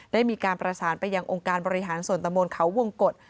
ได้มีการประสานไปยังองค์การบริหารส่วนตะมนต์เขาวงกฎ